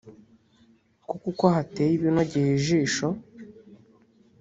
kuko uko hateye binogeye ijisho